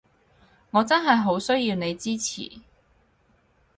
我真係好需要你支持